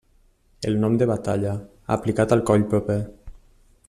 El nom de Batalla, aplicat al coll proper.